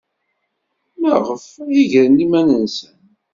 Maɣef ay gren iman-nsen?